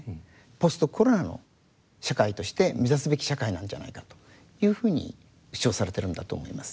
ポストコロナの社会として目指すべき社会なんじゃないかというふうに主張されてるんだと思います。